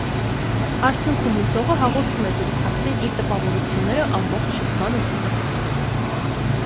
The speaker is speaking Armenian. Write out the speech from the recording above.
Արդյունքում լսողը հաղորդում է զրուցակցին իր տպավորությունները ամբողջ շփման ընթացքում։